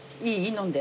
飲んで。